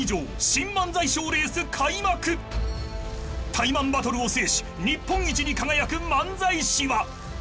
［タイマンバトルを制し日本一に輝く漫才師は！？］